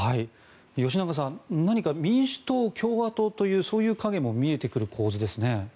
吉永さん何か民主党、共和党というそういう影も見えてくる構図ですね。